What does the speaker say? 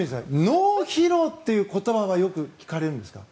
脳疲労っていう言葉はよく聞かれるんですか？